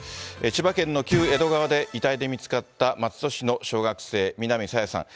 千葉県の旧江戸川で遺体で見つかった松戸市の小学生、南朝芽さん。